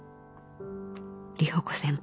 里穂子先輩